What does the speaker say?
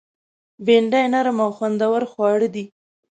بېنډۍ نرم او خوندور خواړه دي